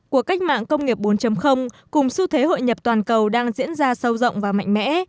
cuộc cách mạng công nghiệp bốn cùng xu thế hội nhập toàn cầu đang diễn ra sâu rộng và mạnh mẽ